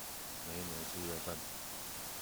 每一年四月份